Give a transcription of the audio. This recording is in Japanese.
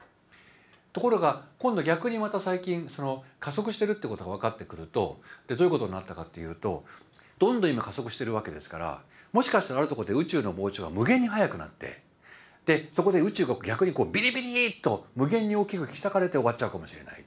ところが今度逆にまた最近加速してるってことが分かってくるとどういうことになったかっていうとどんどん今加速してるわけですからもしかしたらあるところで宇宙の膨張が無限に速くなってそこで宇宙が逆にビリビリーッと無限に大きく引き裂かれて終わっちゃうかもしれない。